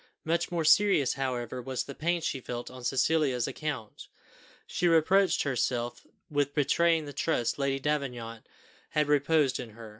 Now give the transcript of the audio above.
Much more serious, however, was the pain she felt on Cecilia's account. She reproached herself with betraying the trust Lady Davenant had reposed in her.